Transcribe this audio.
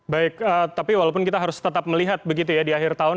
baik tapi walaupun kita harus tetap melihat begitu ya di akhir tahun